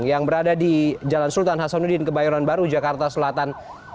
yang berada di jalan sultan hasanuddin kebayoran baru jakarta selatan